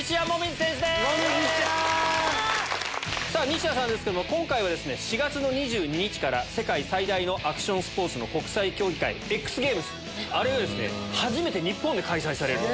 西矢さんですけども今回は４月２２日から世界最大のアクションスポーツの国際競技会ＸＧａｍｅｓが初めて日本で開催される。